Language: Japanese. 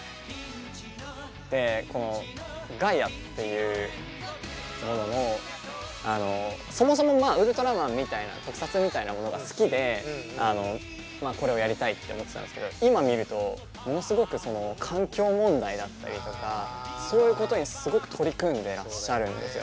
でこのガイアっていうもののそもそもまあ「ウルトラマン」みたいな特撮みたいなものが好きでまあこれをやりたいって思ってたんですけど今見るとものすごく環境問題だったりとかそういうことにすごく取り組んでらっしゃるんですよね。